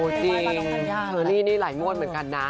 โอ้จริงล็อตเตอรี่นี่หลายมวดเหมือนกันนะ